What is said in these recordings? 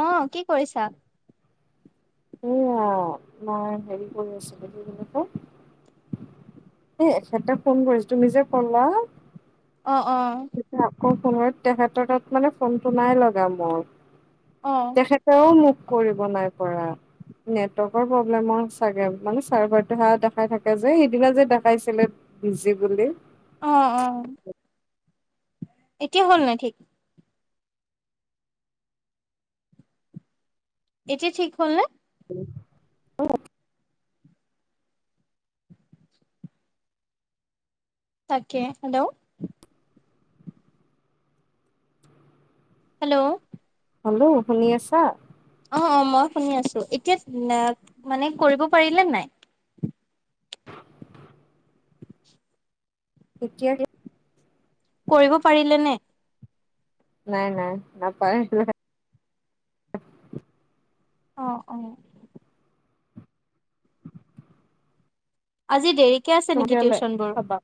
অ, কি কৰিছা? এইয়া মই হেৰি কৰি আছিলো এইতো কি বুলি কয়, এ, এখেতে ফোন কৰিছে তুমি যে কলা অ, অ। এতিয়া আকৌ সময়ত তেখেতৰ তাত মানে ফোনটো নাই লগা মোৰ। অ, তেখেতেও মুখ কৰিব নাই পৰা। নেটৱৰ্কৰ প্ৰব্লেমৰ চাগে মানে চাৰ্ভাৰটো হে দেখাই থাকে যে সেইদিনা যে দেখাইছিলে, বিজি বুলি। অ, অ। এতিয়া হ'ল নে ঠিক? এতিয়া ঠিক হলনে? [inaudible] তাকে হেল্ল', হেল্ল', হেল্লো শুনি আছা? অ, অ, মই শুনি আছোঁ, এতিয়া মানে কৰিব পাৰিলে নাই? এতিয়া কৰিব পাৰিলে নে? নাই নাই নাপাৰিলে। অ, অ, আজি দেৰিকে আছে নেকি তেতিয়াহ'লে টিউচন বোৰ? চাবা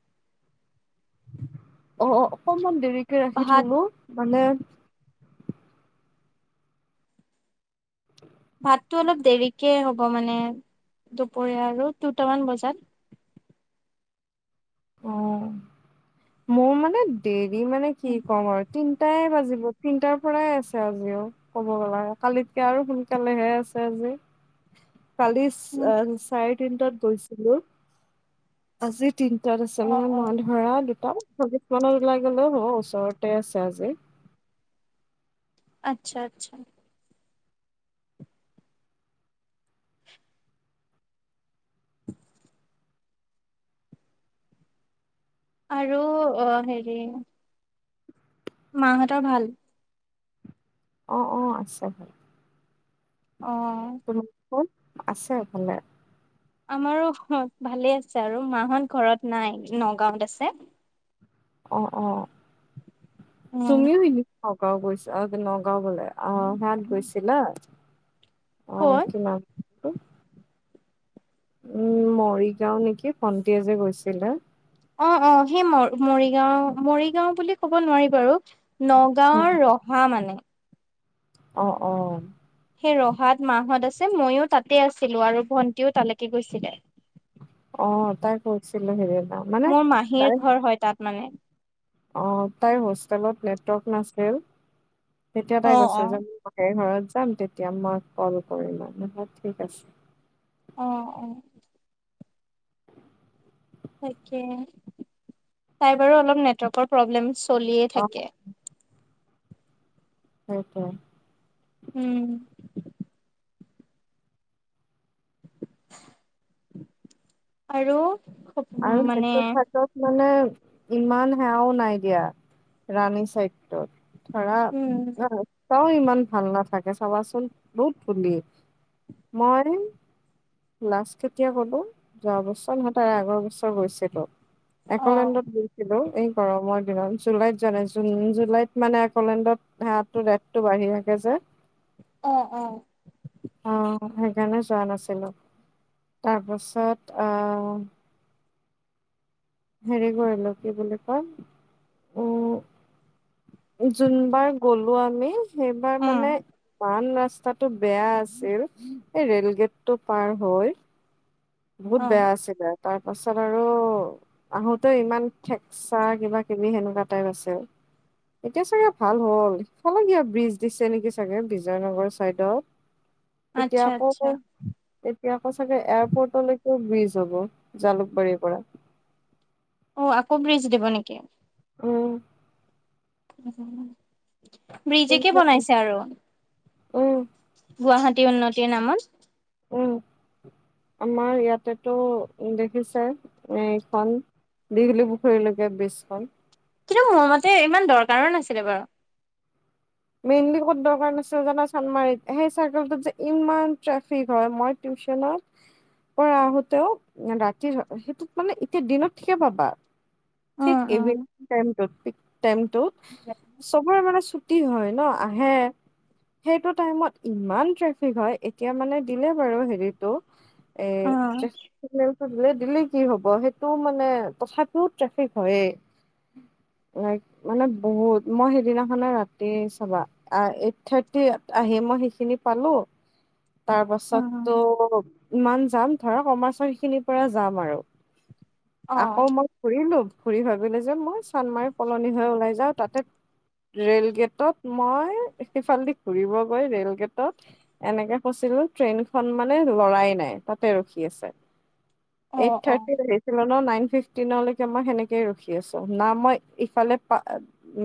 অ, অকমান দেৰিকে ৰাখি ভাত থলোঁ মানে ভাততটো অলপ দেৰিকে হ'ব মানে দুপৰীয়া আৰু দুটামান বজাত, অ মোৰ মানে দেৰি মানে কি ক'ম আৰু তিনটাই বাজিব তিনটাৰ পৰাই আছে আজিও। ক'ব গ'লা কালিতকে আৰু সোনকালেহে আছে আজি। [unintelligible] কালি উম চাৰে তিনটাত গৈছিলোঁ, আজি তিনটাত আছে অ মানে অ মা ধৰা দুটাত ওলাই গ'লেও হ' ওচৰতে আছে আজি। আচ্ছা আচ্ছা। আৰু অ, হেৰি মাহঁতৰ ভাল? অ, অ, আছে ভ অ, আছে এফালে। আমাৰো ভালে আছে আৰু মাহত ঘৰত নাই নগাঁওত আছে। অ, অ, তুমিও নগাঁও গৈছোঁ অ নগাঁও বোলে আহ সাত গৈছিলা? অ, ক'ত? কিমান? উম, মৰিগাঁও নেকি ভণ্টি যে গৈছিলে। অ' অ' সেই ম মৰিগাঁও মৰিগাঁও বুলি ক'ব নোৱাৰি বাৰু নগাঁওৰ ৰহ হয় মানে। অ' অ' সেই ৰহাত মাহঁত আছে ময়ো তাতে আছিলো আৰু ভন্টিও তালৈকে গৈছিলে। অ' তাই কৈয় ছিলে হেইদিনা মানে মোৰ মাহীৰ তাই ঘৰ হয় তাত মানে। অ' তাই হোষ্টেলত নেটৱৰ্ক নাছিল, তেতিয়া অ', তাই কৈছে যে। অ'। সেই ঘৰত যাম, তেতিয়া মই কল কৰিম আৰু নহয় ঠিক আছে। অ' অ' তাকে তাই বাৰু অলপ নেটৱৰ্কৰ প্ৰব্লেম চলিয়ে অ থাকে। সেইটোৱে। উম। আৰু আৰু মানে সেইটো চাটত মানে ইমান সেৱাও নাই দিয়া ৰাণী চাইদত। ধৰা উম, ৰাস্তাও ইমান ভাল নাথাকে চাবাচোন বহুত ধূলি। মই লাষ্ট কেতিয়া গলোঁ, যোৱা বছৰ নহয় তাৰে আগৰ বছৰ। গৈছিলো। অ', একোলেড্ৰত ছিলো এই গৰমৰ দিনত জুলাইত যোৱা নাই, জুন জুলাইত মানে আকলেণ্ডত সেইয়াই ৰেট টো বাঢ়ি থাকে যে। অ' অ' আহ সেইকাৰণে যোৱা নাছিলো। তাৰপাছত আহ। হেৰি কৰিলো, কি বুলি কয়। উম যোনবাৰ গ'লো আমি সেইবাৰ উম, মানে বান ৰাস্তাত। টো বেয়া আছিল, এই ৰে'ল গেট টো পাৰ হৈ বহুত অ', বেয়া আছিলে। তাৰ পাছত আৰু আহোতেও ইমান ঠেকচা কিবা কিবি সেনেকুৱা টাইপ আছিল। এতিয়া চাগে ভাল হ'ল হেইফালে কিবা ব্ৰিজ দিছে নেকি চাগে বিজয়নগৰ চাইডত। [inaudible] এতিয়া আকৌ আচ্ছা। কৈও তেতিয়া আকৌ চাগে এয়াৰ পট লৈকেও ব্ৰিজ হ'ব জালুকবাৰীৰ পৰা। অ' আকৌ ব্ৰিজ দিব নেকি। উম। ব্ৰিজেকে উম বনাইছে আৰু। গুৱাহাটী উন্নতিৰ নামত। উম [inaudible] আমাৰ ইয়াতেতো দেখিছে এইখন। দিঘলি পুখুৰীলৈকে ব্ৰিজখন। কিন্তু, মোৰ মতে ইমান দৰকাৰো নাছিলে বাৰু। মেইনলি ক'ত দকাৰ নাছিল জানা চান্দমাৰীত, সেই চাৰকালটোত যে ইমান ট্ৰেফিক হয় মই টিউচনত পৰা আহোতেও ৰাতিৰ সেইটোত মানে এতিয়া দিনত ঠিকে পাবা। অ ঠিক ইভিৰ টাইম টোত টাইমতো চ'বৰে মানে চ চুটি হয় ন আহে। সেইটো টাইমত ইমান ট্ৰেফিক হয়, এতিয়া মানে দিলে বাৰু হেৰিটো। এ অ ট্ৰেফিক চিগনেল এটা দিলে দিলি। কি হ'ব, সেইটো মানে তথাপিও ট্ৰেফিক হয়েই। মানে বহুত মই সেইদিনাখনে ৰাতি। চাবা এইট থাৰ্টি আহে মই সেইখিনি পালোঁ। তাৰ পাছত তো ইমান যাম। ধৰক কমাৰ্চ খিনিৰ পৰা যাম আৰু অ আকৌ মই ঘূৰিলো ঘুৰি ভাবিলোঁ যে মই চানমাৰি কলনি হৈ ওলাই যাওঁ তাতে ৰেইল গেট ত মই সিফালেদি ঘুৰিব গৈ ৰেল গেটত এনেকে ফছিলো ট্ৰেইনখনন মানে লৰাই নাই তাতে ৰখি আছে। অ এইট অ থাৰটি নৰ নাইন ফিফটিনলৈকে মই সেনেকে ৰখি আছো না মই ইফালে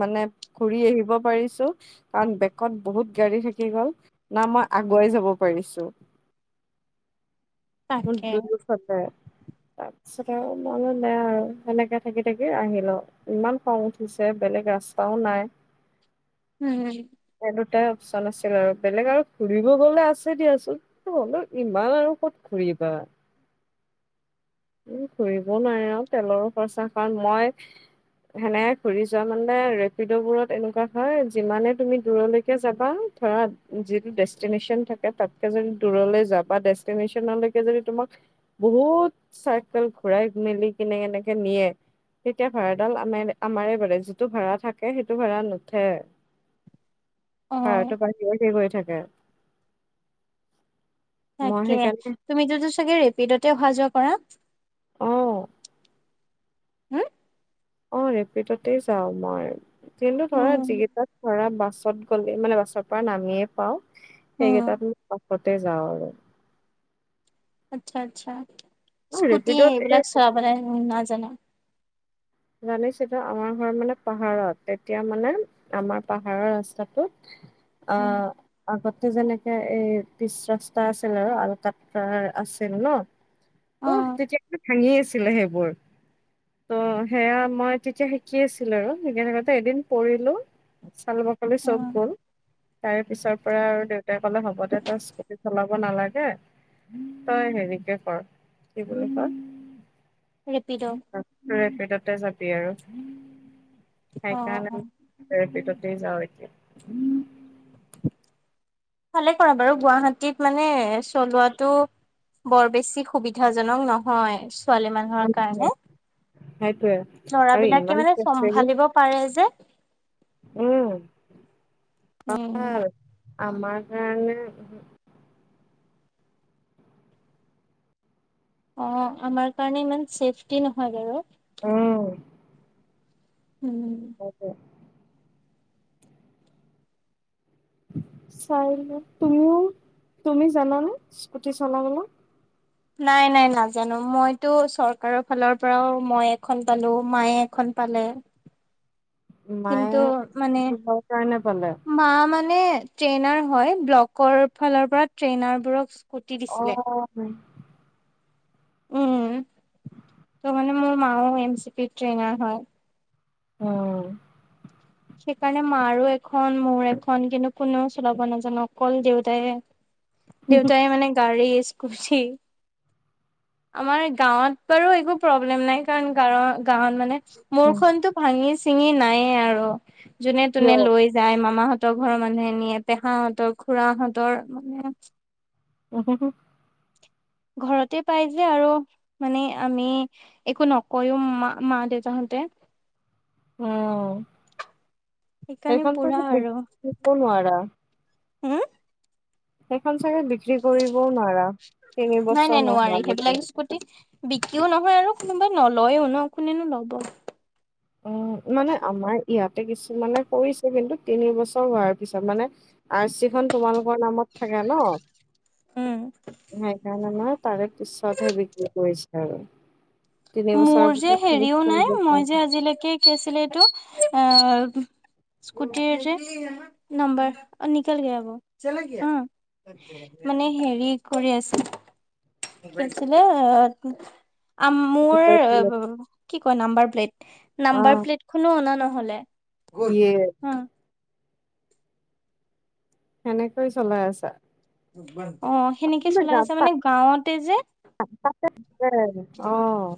মানে ঘুৰি আহিব পাৰিছো কাৰণ বেকত বহুত গাড়ী থাকি গল না মই আগুৱাই যাব পাৰিছো [inaudible] তাকে [unintelligible] তাৰপিছত আৰু মনো দে আৰু সেনেকে থাকি থাকি আহিলো। ইমান খং উঠিছে বেলেগ ৰাস্তাও নাই। উম। সেই দুটাই অপচন আছিল আৰু বেলেগ আৰু ঘুৰিব গলে আছে দিয়াচোন। হলো ইমান আৰু ক'ত ঘুৰিবা। উম ঘুৰিবও নোৱাৰে আৰু তেলৰো খৰচা কাৰ মই সেনেহে ঘূৰি যোৱা মানে ৰেপিড'বোৰত এনেকুৱা হয় যিমানে তুমি দূৰলৈকে যাবা ধৰা যিটো ডেষ্টিনেশ্যন থাকে তাতকে যদি দূৰলৈ যা বা ডেষ্টিনেশ্যনলৈকে যদি তোমাক বহুত চাই্কেল ঘূৰাই মেলি কেনে এনেকে নিয়ে তেতিয়া ভাড়াডাল আম আমাৰে [unintelligible] যিটো ভাড়া থাকে সেইটো ভাড়া নুঠে। অ ভাড়াটো বাঢ়ি বাঢ়ি গৈ থাকে। মই তাকে সেইকাৰণে তুমিতোতো চাগে ৰেপিড'তে অহা যোৱা কৰা। অ'। হম। অ', ৰেপিটতে যাওঁ মই। কিন্তু ধৰা যিকেইটা ধৰা বাছত গ'লে মানে বাছৰ পৰা নামিয়ে পাও উম সেইকেইটাত পাষতে যাওঁ আৰু। আচ্ছা, আচ্ছা অ স্কুটি ৰেপিডত এই এইবিলাক চলাবাই নাজানা। জানিছিলোঁ আমাৰ ঘৰ মানে পাহাৰত তেতিয়া মানে আমাৰ পাহাৰৰ ৰাস্তাটোত উম আহ আগতে যেনেকে এই পিচ ৰাস্তা আছিল আৰু আলকাত্ৰা আছিল ন অ ত' তেতিয়া ভাঙি আছিলে সেইবোৰ ত' সেয়া মই তেতিয়া শিকি আছিলো আৰু সেইকাৰণে এদিন পৰিলো চাল বাকলি অ চব গ'ল তাৰ পিছৰ পৰা আৰু দেউতাই ক'লে হ'ব দে তই স্কুটি চলাব নালাগে তই হেৰিকে কৰ কি বুলি কয় ৰেপিড' অ ৰেপিড'তে যাবি আৰু সেইকাৰণে অ ৰেপিডতে যাওঁ এতিয়া ভালে কৰা বাৰু গুৱাহাটীত মানে চলোৱাটো বৰ বেছি সুবিধাজনক নহয় ছোৱালী মানুহ [unintelligible] সেইটোৱে। লৰা আৰু বিলাকে ইমান মানে চম্ভালিব পাৰে যে উম উম। ভাল আমাৰ কাৰণে অ', আমাৰ কাৰণে ইমান ছেফটি নহয় বাৰু। অ'। উম। [unintelligible] চাই তুমিও তুমি জানানে স্কুটি চলাবলৈ? নাই, নাই নাজানো মইতো চৰকাৰৰ ফালৰ পৰাও মই এখন পালো মায়ে এখন পালে। কিন্তু, মায়ে মানে কিহৰ কাৰণে পালে মা মানে, ট্ৰেইনাৰ হয়। ব্লকৰ ফালৰ পৰা ট্ৰেইনাৰবোৰক স্কুটি দিছিলে। অ', হয়। উম, ত' মানে, মোৰ মাও এনচিপিটি ট্ৰেইনাৰ হয়। উম। সেইকাৰণে মাৰো এখন, মোৰো এখন। কিন্তু কোনেও চলাব নাজানো, অকল দেউতাই দেউতাই মানে, গাড়ী, স্কুটি আমাৰ গাঁৱত বাৰু একো প্ৰব্লেম নাই, কাৰণ গাঁৱৰ, গাঁৱত মানে মোৰখনটো ভাঙি-চিঙি নাই আৰু কিয় যোনে-তোনে লৈ যায়, মামাহঁতৰ ঘৰৰ মানুহে নিয়ে, পেহাহঁতৰ, খুৰাহঁতৰ মানে [inaudible] ঘৰতে পাই যে আৰু, মানে, আমি একো নকয়ো মা-মা, দেউতাহঁতে উম, সেইকাৰণে সেইখনটো পুৰা আৰু [unintelligible] নোৱাৰা হম। সেইখন চাগে বিক্ৰী কৰিবও নোৱাৰা তিনি নাই, বছৰ নাই নোৱাৰি। নোহোৱালৈকে সেইবিলাক স্কু টি, বিক্ৰীও নহয় আৰু কোনেও নলয়ো ন, কোনেনো ল'ব? উম, মানে আমাৰ ইয়াতে কিছুমানে কৰিছে, কিন্তু তিনি বছৰ হোৱাৰ পিছত মানে আৰচিখন তোমালোকৰ নামত থাকে ন? উম সেইকাৰণে নহয়, তাৰে পিছতে বিক্ৰী কৰিছে আৰু তিনি বছৰ পিছত [unintelligible] কৰি দেখাই। নে, কি, কি আছিলে এইটো? আ স্কুটিৰ যে নাম্বাৰ, অ', নিকল গায়া ৱহ, হা মানে হেৰি কৰি আছিল। কি আছিলে? আম মোৰ কি কয়? Number plate. নাম্বাৰ প্লেটখনো অনা নহ'লে। য়ে হা কেনেকৈ চলাই আছা? অ', সেনেকৈ আচলতে চলাই গাত আছা, মানে গাঁৱতে যে অ'।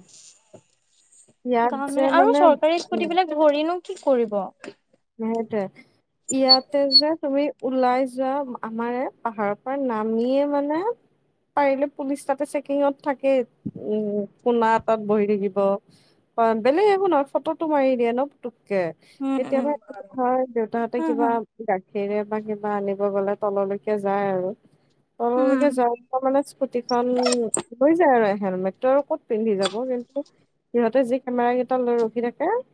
ইয়াত গাঁৱত যে মানে আৰু চৰকাৰী উম স্কুটিবিলাক ধৰিনো কি কৰিব? সেইটোৱে ইয়াতে যে তুমি ওলাই যোৱা, আমাৰ এ, পাহাৰৰ পৰা নামিয়ে মানে পাৰিলে পুলিচ তাতে চেকিঙত থাকেই। উম। কোনা এটাত বহি থাকিব। বেলেগ একো নহয়, ফটোটো মাৰি দিয়ে ন, পুটুককে। উম, উম। হয়, দেউতাহঁতে কিবা হা গাখীৰে বা কিবা আনিব গ'লে তললৈকে যায় আৰু তললৈকে উম যাওঁ-পাওঁ মানে, স্কুটিখন লৈ যায় আৰু হেলমেটটো আৰু ক'ত পিন্ধি যাব? কিন্তু সিহঁতে যি কেমেৰাকেইটা লৈ ৰখি থাকে